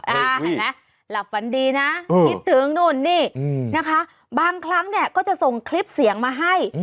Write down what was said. เห็นไหมหลับฝันดีนะคิดถึงนู่นนี่นะคะบางครั้งเนี่ยก็จะส่งคลิปเสียงมาให้